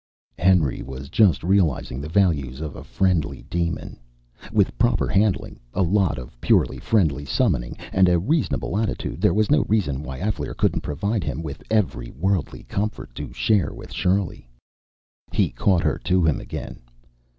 Henry was just realizing the values of a friendly demon. With proper handling, a lot of purely friendly summoning, and a reasonable attitude, there was no reason why Alféar couldn't provide him with every worldly comfort to share with Shirley. He caught her to him again.